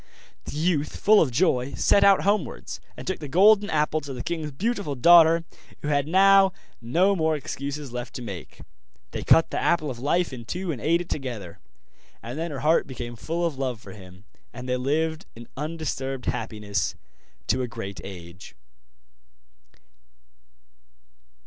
The youth, full of joy, set out homewards, and took the Golden Apple to the king's beautiful daughter, who had now no more excuses left to make. They cut the Apple of Life in two and ate it together; and then her heart became full of love for him, and they lived in undisturbed happiness to a great age.